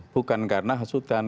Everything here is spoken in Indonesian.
bukan karena hasutan